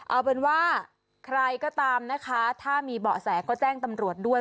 เอาเป็นว่าใครก็ตามนะคะถ้ามีเบาะแสก็แจ้งตำรวจด้วย